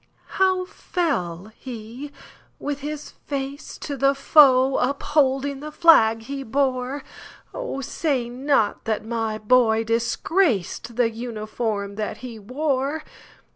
"How fell he,—with his face to the foe, Upholding the flag he bore? Oh, say not that my boy disgracedThe uniform that he wore!"